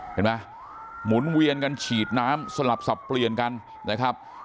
เห็นไหมหมุนเวียนกันฉีดน้ำสลับสับเปลี่ยนกันนะครับ